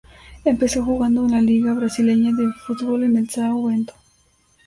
Empezó jugando en la liga brasileña de fútbol con el São Bento.